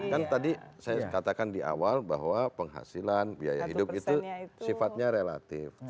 kan tadi saya katakan di awal bahwa penghasilan biaya hidup itu sifatnya relatif